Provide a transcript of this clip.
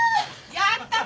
やった！